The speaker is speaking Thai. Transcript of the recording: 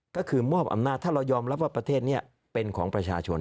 ก็คือมอบอำนาจถ้าเรายอมรับว่าประเทศนี้เป็นของประชาชน